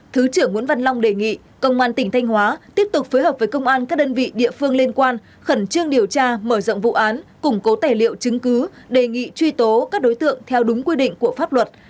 thứ trưởng nguyễn văn long đề nghị công an tỉnh thanh hóa tiếp tục phối hợp với công an các đơn vị địa phương liên quan khẩn trương điều tra mở rộng vụ án củng cố tài liệu chứng cứ đề nghị truy tố các đối tượng theo đúng quy định của pháp luật